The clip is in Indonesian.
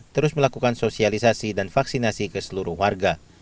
terus melakukan sosialisasi dan vaksinasi ke seluruh warga